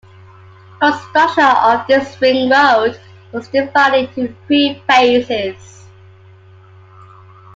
Construction of this ring road was divided into three phases.